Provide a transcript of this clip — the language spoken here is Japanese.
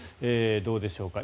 どうでしょうか。